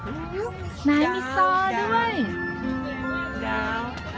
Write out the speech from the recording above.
สวัสดีครับนายมีซอดด้วย